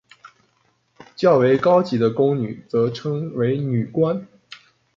较为高级的宫女则称为女官。